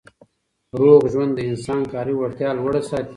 روغ ژوند د انسان کاري وړتیا لوړه ساتي.